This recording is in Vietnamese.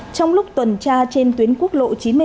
trong lúc tuần tra trên tuyến quốc lộ chín mươi bảy